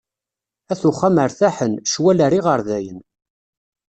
At uxxam rtaḥen, ccwal ar iɣerdayen.